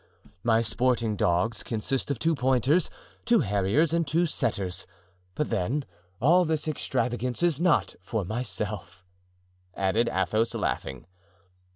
My sporting dogs consist of two pointers, two harriers and two setters. But then all this extravagance is not for myself," added Athos, laughing.